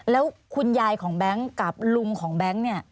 แล้วคุณยายของแบงค์กับลุงของแบงค์เนี่ย